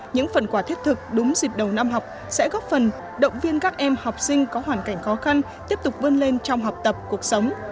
những phần quà thiết thực đúng dịp đầu năm học sẽ góp phần động viên các em học sinh có hoàn cảnh khó khăn tiếp tục vươn lên trong học tập cuộc sống